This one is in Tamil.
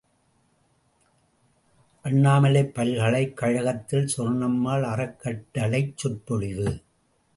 ● அண்ணாமலைப் பல்கலைகழகத்தில் சொர்ணம்மாள் அறக்கட்டளைச் சொற்பொழிவு.